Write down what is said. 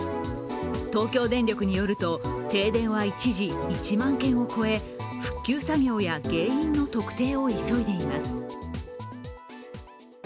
東京電力によると停電は一時１万軒を超え、復旧作業や原因の特定を急いでいます。